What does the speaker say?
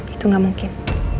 itu gak mungkin